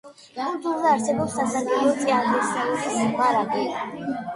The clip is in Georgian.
კუნძულზე არსებობს სასარგებლო წიაღისეულის მარაგი.